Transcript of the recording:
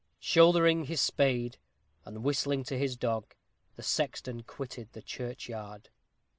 _ Shouldering his spade, and whistling to his dog, the sexton quitted the churchyard.